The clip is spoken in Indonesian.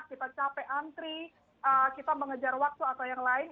kita capek antri kita mengejar waktu atau yang lain